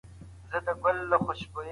هغه به تر غرمې پورې ګرځېدلی وي.